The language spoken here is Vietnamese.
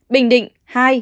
bình định hai